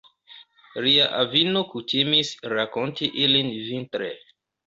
Lia avino kutimis rakonti ilin vintre.